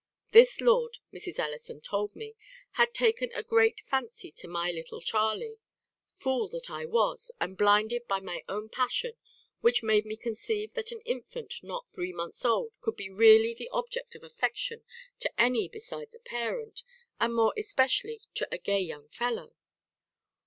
This lord, Mrs. Ellison told me, had taken a great fancy to my little Charley. Fool that I was, and blinded by my own passion, which made me conceive that an infant, not three months old, could be really the object of affection to any besides a parent, and more especially to a gay young fellow!